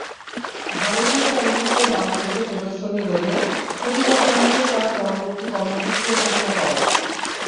ভারতীয় চলচ্চিত্র বাংলাদেশে প্রদর্শনী রোধে প্রতিবাদ জানাতে তাঁরা পরবর্তী কর্মসূচিও ঘোষণা করেন।